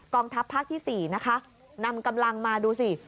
ทัพภาคที่๔นะคะนำกำลังมาดูสิ